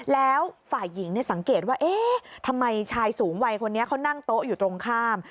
แล้วฝ่ายหญิงสังเกตว่าเอ๊ะทำไมชายสูงวัยคนนี้เขานั่งโต๊ะอยู่ตรงข้าม